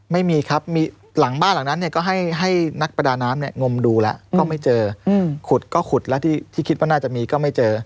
ไม่มีครับมีหลังบ้านหลังนั้นเนี่ยก็ให้นักประดาน้ำเนี่ยงมดูแล้วก็ไม่เจอขุดก็ขุดแล้วที่คิดว่าน่าจะมีก็ไม่เจอ